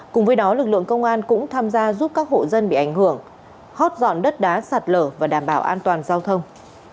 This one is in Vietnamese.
cùng với đó lực lượng công an cũng tham gia giúp các hộ dân bị ảnh hưởng hót dọn đất đá sạt lở và đảm bảo an toàn giao thông